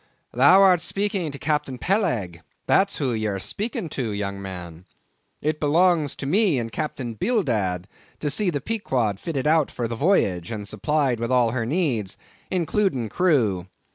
"Thou art speaking to Captain Peleg—that's who ye are speaking to, young man. It belongs to me and Captain Bildad to see the Pequod fitted out for the voyage, and supplied with all her needs, including crew.